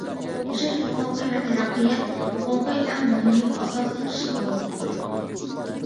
ياشاش ھوقۇقى ۋە تەرەققىيات ھوقۇقى ئەڭ مۇھىم ئاساسىي كىشىلىك ھوقۇقتۇر.